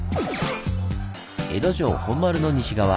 江戸城本丸の西側！